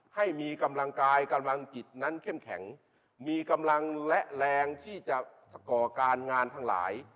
ให้มีกำลังกายกำลังจิตนั้นเข้มแข็งมีกำลังและแรงที่จะก่อการงานทั้งหลาย